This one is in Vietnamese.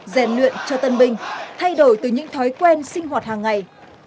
giàn luyện cho tân bình thay đổi từ những thói quen sinh hoạt hàng ngày